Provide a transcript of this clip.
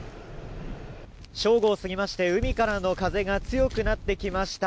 正午を過ぎまして海からの風が強くなってきました。